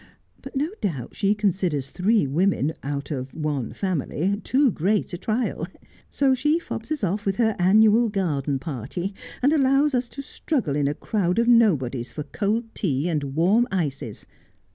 But no doubt she considers three women out of one family too great a trial ; so she fobs us off with her annual garden party, and allows us to struggle in a crowd of nobodies for cold tea and warm ices.